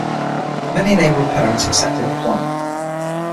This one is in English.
Many neighborhood parents accepted the plan.